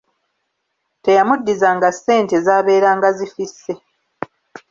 Teyamuddizanga ssente zaabeeranga zifisse.